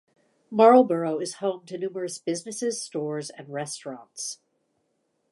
Marlborough is home to numerous businesses, stores and restaurants.